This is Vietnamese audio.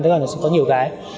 tất cả nó sẽ có nhiều cái